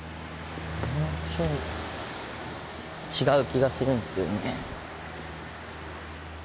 違う気がするんですよね。